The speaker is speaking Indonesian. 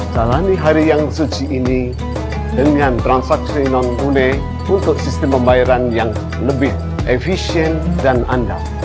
jalani hari yang suci ini dengan transaksi non tunai untuk sistem pembayaran yang lebih efisien dan andal